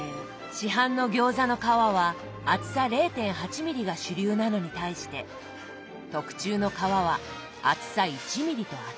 市販の餃子の皮は厚さ０．８ミリが主流なのに対して特注の皮は厚さ１ミリと厚め。